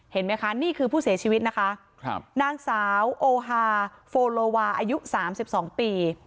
เห็นไหมคะนี่คือผู้เสียชีวิตนะคะนางสาวโอฮาโฟโลวาอายุ๓๒ปี